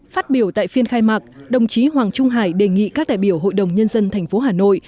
phát biểu tại phiên khai mạc đồng chí hoàng trung hải đề nghị các đại biểu hội đồng nhân dân tp hà nội